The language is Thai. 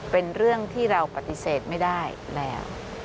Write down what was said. เป็นเรื่องที่เราปฏิเสธไม่ได้แล้ว